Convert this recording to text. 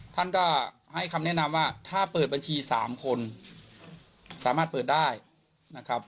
ท่านก็ให้คำแนะนำว่าถ้าเปิดบัญชี๓คนสามารถเปิดได้นะครับ